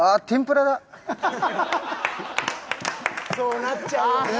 そうなっちゃうよね。